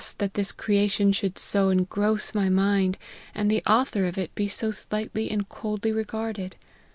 that this crea tion should so engross my mind, and the author of it be so slightly and coldly regarded.